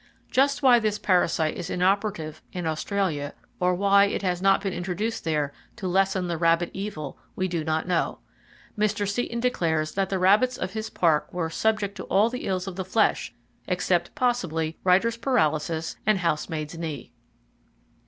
Just why this parasite is inoperative in Australia, or why it has not been introduced there to lessen the rabbit evil, we do not know. Mr. Seton declares that the rabbits of his park were "subject to all the ills of the flesh, except possibly writer's paralysis and housemaid's knee."